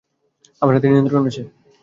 আমার হাতে নিয়ন্ত্রণ আছে।